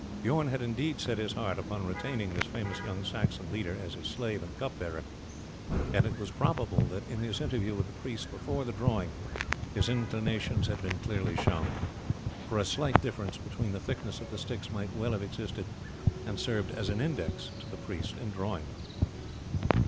Bijorn had indeed set his heart upon retaining this famous young Saxon leader as his slave and cup bearer, and it was probable that in his interview with the priest before the drawing his inclinations had been clearly shown, for a slight difference between the thickness of the sticks might well have existed and served as an index to the priest in drawing them.